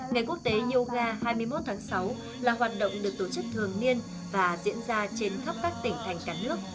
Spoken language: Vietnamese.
ngày quốc tế yoga hai mươi một tháng sáu là hoạt động được tổ chức thường niên và diễn ra trên khắp các tỉnh thành cả nước